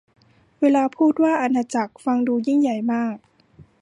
เวลาพูดว่าอาณาจักร ฟังดูยิ่งใหญ่มาก